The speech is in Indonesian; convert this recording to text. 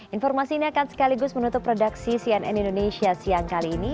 informasi ini akan sekaligus menutup produksi cnn indonesia siang kali ini